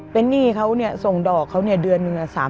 เป็นหนี้เขาเนี่ยส่งดอกเขาเนี่ยเดือน๓๖๐๐